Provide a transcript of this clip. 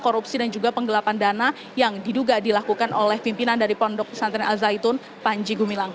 korupsi dan juga penggelapan dana yang diduga dilakukan oleh pimpinan dari pondok pesantren al zaitun panji gumilang